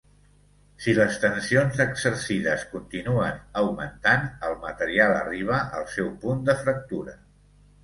Si les tensions exercides continuen augmentant, el material arriba el seu punt de fractura.